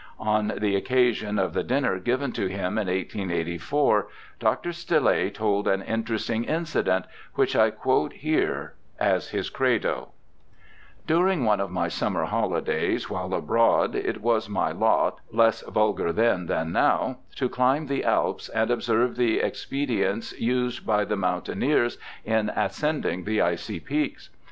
On the occasion of the dinner given to him in 1884, 246 BIOGRAPHICAL ESSAYS Dr. Stille told an interesting incident, which I quote here as his credo :' During one of my summer holidays, while abroad, it was my lot — less vulgar then than now — to climb the Alps and observe the expedients used by the moun taineers in ascending the icy peaks.